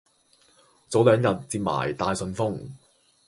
早兩日接埋大信封